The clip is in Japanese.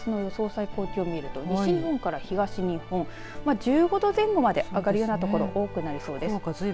最高気温を見ると西日本から東日本１５度前後まで上がる所が多くなりそうです。